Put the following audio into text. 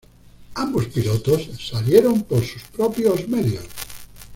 Ambos pilotos salieron por sus propios medios.